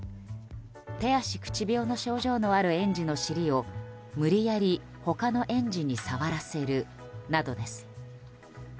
手足口病の症状のある園児の尻を無理やり他の園児に触らせるなどです。